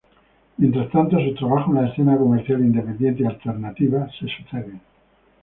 Mientras tanto sus trabajos en la escena comercial, independiente y alternativa se suceden.